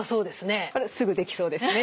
すぐできそうですね。